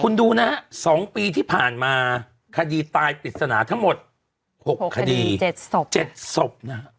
คุณดูนะ๒ปีที่ผ่านมาคดีตายติดสนาทั้งหมด๖คดี๗ศพ